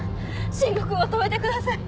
伸吾君を止めてください！